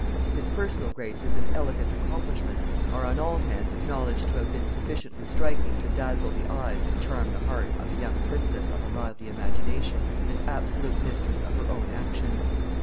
His personal graces and elegant accomplishments are on all hands acknowledged to have been sufficiently striking to dazzle the eyes and charm the heart of a young princess of a lively imagination and absolute mistress of her own actions.